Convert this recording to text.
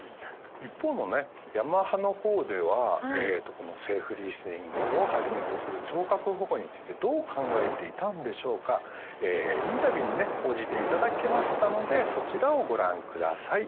一方のねヤマハの方ではこのセーフリスニングをはじめとする聴覚保護についてどう考えていたんでしょうかインタビューにね応じていただけましたのでそちらをご覧ください